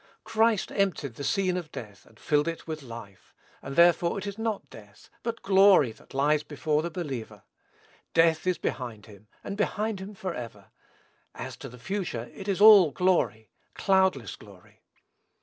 Christ emptied the scene of death, and filled it with life; and, therefore, it is not death, but glory that lies before the believer. Death is behind him, and behind him forever. As to the future, it is all glory, cloudless glory.